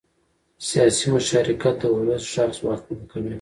سیاسي مشارکت د ولس غږ ځواکمن کوي